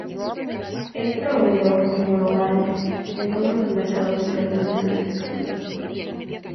Es proveedor homologado en todos los mercados internacionales de casinos.